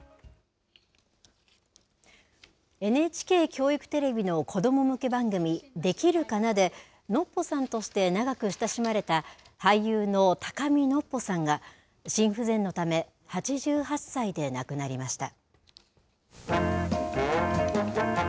ＮＨＫ教育テレビの子ども向け番組、できるかなで、ノッポさんとして長く親しまれた俳優の高見のっぽさんが、心不全のため８８歳で亡くなりました。